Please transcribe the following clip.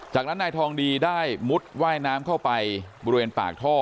จากนั้นนายทองดีได้มุดว่ายน้ำเข้าไปบริเวณปากท่อ